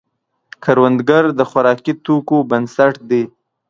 کروندګر د خوراکي توکو بنسټ دی